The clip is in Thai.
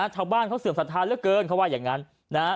เท่าบ้านเขาเสื่อมสันทานเหลือเกินเขาว่าอย่างนั้น